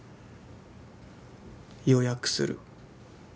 「予約する」。